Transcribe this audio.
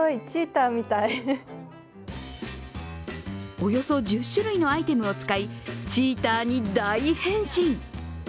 およそ１０種類のアイテムを使い、チーターに大変身。